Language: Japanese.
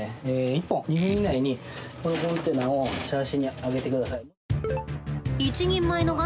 １本２分以内にこのコンテナをシャーシに上げて下さい。